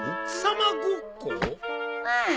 うん。